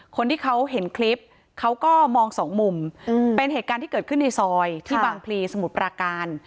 คนที่เขาเห็นคลิปเขาก็มองสองมุมเป็นเหตุการณ์ที่เกิดขึ้นในซอยที่บางพลีสมุทรปราการ